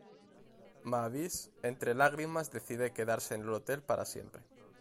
Mavis, entre lágrimas decide quedarse en el hotel para siempre.